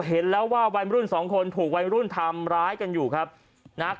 เห็นแล้วว่าวัยรุ่นสองคนถูกวัยรุ่นทำร้ายกันอยู่ครับนะครับ